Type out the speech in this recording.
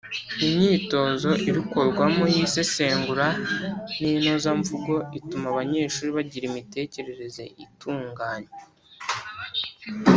Imyitozo irukorwamo y’isesengura n’inozamvugo ituma abanyeshuri bagira imitekerereze itunganye.